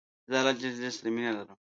زه د الله ج سره مينه لرم